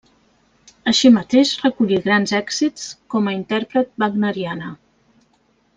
Així mateix recollí grans èxits com a intèrpret wagneriana.